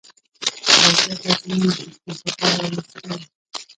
باران د افغانانو د تفریح لپاره یوه وسیله ده.